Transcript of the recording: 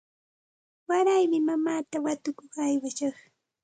Waraymi mamaata watukuq aywashaq.